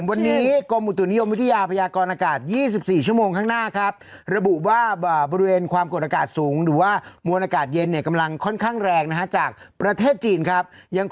วันนี้กรมอุตถุนิยมวิทยาพญากรอากาศ๒๔ชั่วโมงข้างหน้าครับ